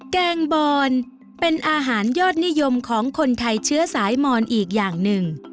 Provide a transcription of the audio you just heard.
แกงบอนเป็นอาหารยอดนิยมของคนไทยเชื้อสายมอนอีกอย่างหนึ่ง